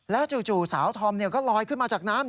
จู่สาวธอมก็ลอยขึ้นมาจากน้ำ